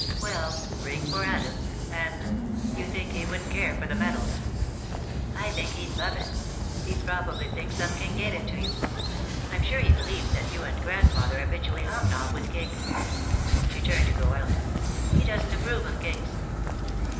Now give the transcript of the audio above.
Well, ring for Adams, and you think he wouldn't care for the medal?" "I think he'd love it. He'd probably think some king gave it to you. I'm sure he believes that you and grandfather habitually hobnob with kings." She turned to go out. "He doesn't approve of kings."